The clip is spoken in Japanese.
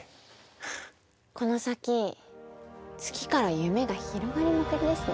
この先月から夢が広がりまくりですね。